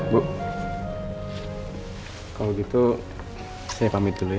bu kalau gitu saya pamit dulu ya